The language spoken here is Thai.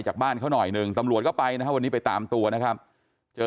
จากบ้านเขาหน่อยหนึ่งตำรวจก็ไปนะครับวันนี้ไปตามตัวนะครับเจอ